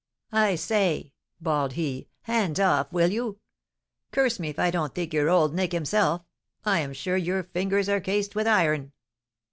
"I say," bawled he, "hands off, will you? Curse me if I don't think you're old Nick himself! I am sure your fingers are cased with iron."